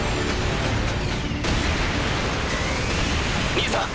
兄さん。